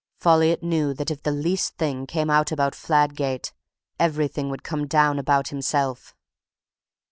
Folliot knew that if the least thing came out about Fladgate, everything would come out about himself."